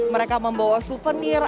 mereka membawa souvenir